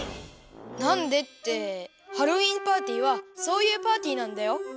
なんでってハロウィーンパーティーはそういうパーティーなんだよ。